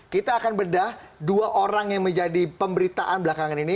kita akan bedah dua orang yang menjadi pemberitaan belakangan ini